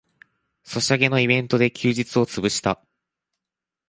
ソシャゲのイベントで休日をつぶした